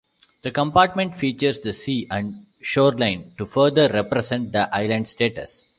The compartment features the sea and shoreline to further represent the island status.